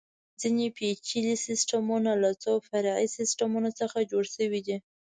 ځینې پېچلي سیسټمونه له څو فرعي سیسټمونو څخه جوړ شوي دي.